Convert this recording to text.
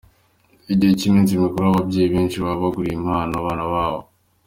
Igihe cy’iminsi mikuru, aho ababyeyi benshi baba bagurira impano abana babo.